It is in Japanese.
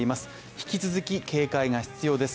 引き続き警戒が必要です。